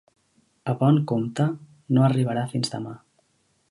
A bon compte, no arribarà fins demà.